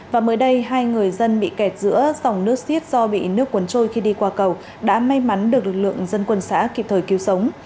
và mới đây hai người dân bị kẹt giữa dòng nước xiết do bị nước cuốn trôi khi đi qua cầu đã may mắn được lực lượng dân quân xã kịp thời cứu sống